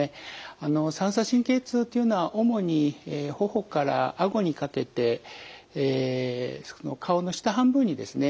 あの三叉神経痛というのは主に頬からあごにかけて顔の下半分にですね